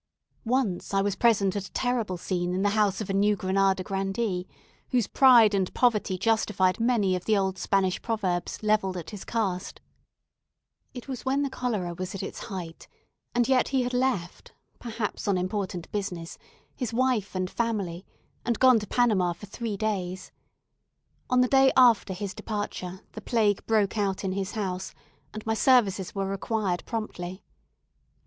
Once I was present at a terrible scene in the house of a New Granada grandee, whose pride and poverty justified many of the old Spanish proverbs levelled at his caste. It was when the cholera was at its height, and yet he had left perhaps on important business his wife and family, and gone to Panama for three days. On the day after his departure, the plague broke out in his house, and my services were required promptly.